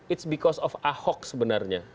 it's because of ahok sebenarnya